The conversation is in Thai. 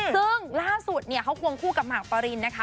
ซึ่งล่าสุดเนี่ยเขาควงคู่กับหมากปรินนะคะ